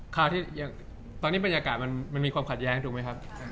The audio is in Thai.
คราวที่ยังตอนนี้บรรยากาศมันมันมีความขัดแย้งถูกหรือยัง